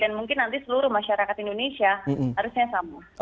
dan mungkin nanti seluruh masyarakat indonesia harusnya sama